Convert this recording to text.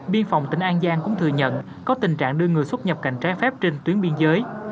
biên phòng tỉnh an giang cũng thừa nhận có tình trạng đưa người xuất nhập cảnh trái phép trên tuyến biên giới